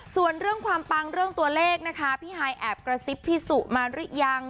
ส่วนเรื่องความปังเรื่องตัวเลขนะคะพี่ฮายแอบกระซิบพี่สุมาหรือยัง